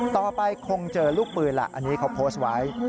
ต่อไปคงเจอลูกปืนล่ะอันนี้เขาโพสต์ไว้